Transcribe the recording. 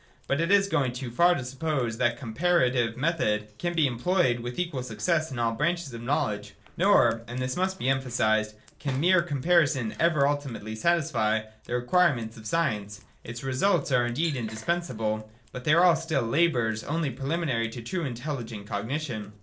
But it is going too far to suppose that the compara tive method can be employed with equal success in all branches of knowledge. Nor — and this must be emphasised — can mere comparison ever ultimately satisfy the require ments of science. Its results are indeed indispensable, but they are still labours only preliminary to truly intelligent cognition.